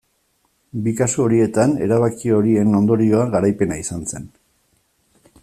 Bi kasu horietan erabaki horien ondorioa garaipena izan zen.